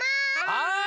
はい。